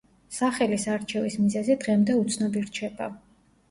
სახელის არჩევის მიზეზი დღემდე უცნობი რჩება.